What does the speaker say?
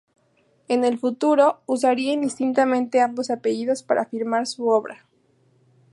En el futuro, usaría indistintamente ambos apellidos para firmar su obra.